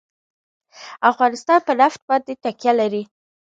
افغانستان په نفت باندې تکیه لري.